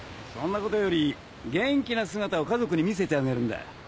そんなことより元気な姿を家族に見せてあげるんだ。